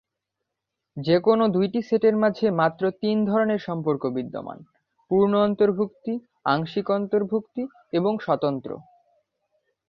যেকোন দুইটি সেটের মাঝে মাত্র তিন ধরনের সম্পর্ক বিদ্যমান; পূর্ণ অন্তর্ভুক্তি, আংশিক অন্তর্ভুক্তি এবং স্বতন্ত্র।